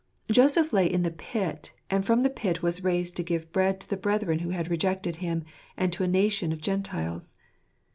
Joseph lay in the pit j and from the pit was raised to give bread to the brethren who had rejected him, and to a nation of Gentiles.